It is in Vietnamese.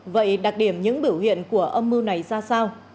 vậy đặc điểm những biểu hiện của âm mưu này ra sao